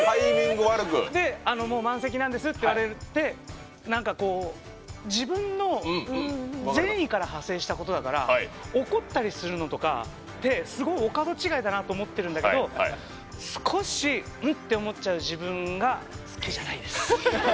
もう満席なんですって言われて自分の善意から派生したことだから怒ったりするのとかってすごいお門違いかなと思ってるんだけど少し、うって思っちゃう自分が好きじゃないです。